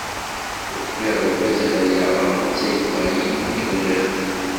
Ufiɣ lbaz ara aɣeɣ, netta yebɣa-yi, nekk bɣiɣ-t.